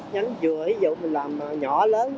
nhánh vừa ví dụ mình làm nhỏ lớn